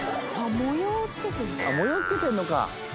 模様をつけてるのか。